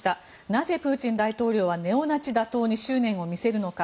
なぜプーチン大統領はネオナチ打倒に執念を見せるのか